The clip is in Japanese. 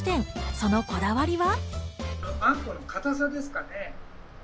そのこだわりは。